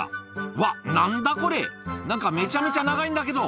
うわっ、なんだこれ、なんかめちゃめちゃ長いんだけど。